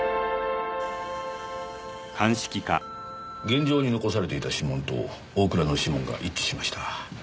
現場に残されていた指紋と大倉の指紋が一致しました。